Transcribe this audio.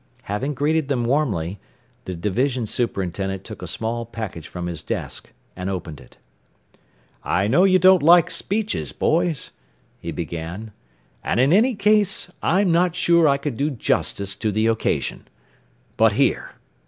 Having greeted them warmly, the division superintendent took a small package from his desk, and opened it. "I know you don't like speeches, boys," he began; "and in any case, I'm not sure I could do justice to the occasion. But, here!